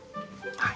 はい。